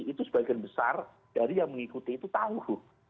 itu sebagian besar dari yang mengikuti itu tahu